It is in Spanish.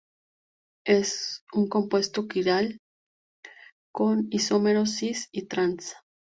Es un compuesto quiral con isómeros "cis" y "trans".